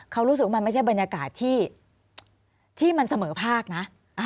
เขารู้สึกว่ามันไม่ใช่บรรยากาศที่มันเสมอภาคนะ